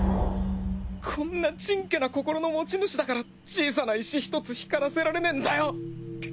こんなチンケな心の持ち主だから小さな石ひとつ光らせられねえんだよ！